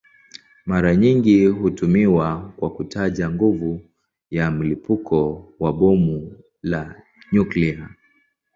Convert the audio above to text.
Mara nyingi hutumiwa kwa kutaja nguvu ya mlipuko wa bomu la nyuklia.